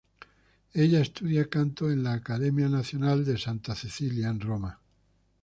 Ella estudia canto en la Accademia Nazionale di Santa Cecilia, en Roma.